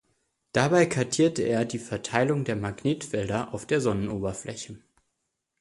Dabei kartierte er die Verteilung der Magnetfelder auf der Sonnenoberfläche.